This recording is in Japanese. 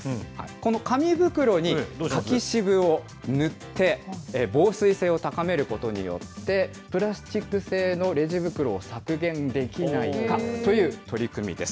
この紙袋に柿渋を塗って、防水性を高めることによって、プラスチック製のレジ袋を削減できないかという取り組みです。